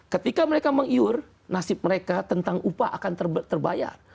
ketika mereka mengiur nasib mereka tentang upah akan terbayar